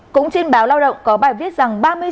cũng trên báo lao động có bài viết rằng